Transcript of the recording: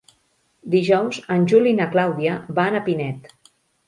Dijous en Juli i na Clàudia van a Pinet.